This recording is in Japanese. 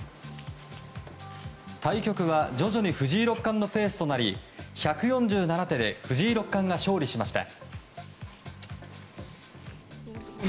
対局は徐々に藤井六冠のペースとなり１４７手で藤井六冠が勝利しました。